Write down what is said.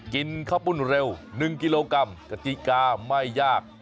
กินข้าวปุ้นเร็ว๑กิโลกรัมกติกาไม่ยาก